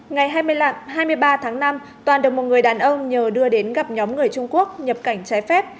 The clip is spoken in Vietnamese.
ngày hai mươi ba tháng năm toàn được một người đàn ông nhờ đưa đến gặp nhóm người trung quốc nhập cảnh trái phép